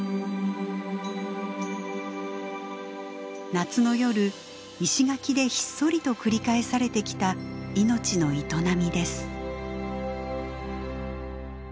夏の夜石垣でひっそりと繰り返されてきた命の営みです。